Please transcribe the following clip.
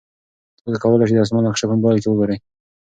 تاسي کولای شئ د اسمان نقشه په موبایل کې وګورئ.